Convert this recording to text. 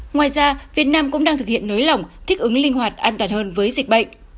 ngoài ra việt nam cũng đang thực hiện nới lỏng thích ứng linh hoạt an toàn hơn với dịch bệnh